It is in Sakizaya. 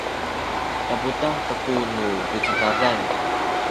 taputah kaku nu picudadan